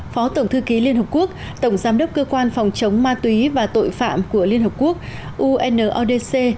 phó tổng thư ký liên hợp quốc tổng giám đốc cơ quan phòng chống ma túy và tội phạm của liên hợp quốc unodc